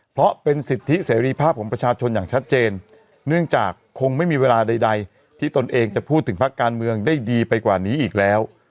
เพราะเป็นสิทธิเสรีภาพของประชาชนอย่างชัดเจนเนื่องจากคงไม่มีเวลาใดที่ตนเองจะพูดถึงภาคการเมืองได้ดีไปกว่านี้อีกแล้ว